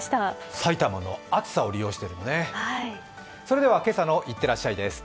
埼玉の暑さを利用してるんですね。